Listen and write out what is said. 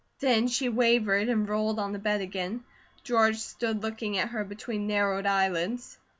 Then she wavered and rolled on the bed again. George stood looking at her between narrowed eyelids.